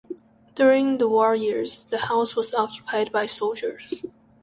During the war years, the house was occupied by soldiers.